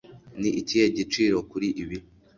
Ni ikihe giciro kuri ibi